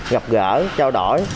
gặp gỡ trao đổi